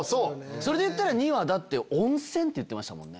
それでいったら２は温泉って言ってましたもんね。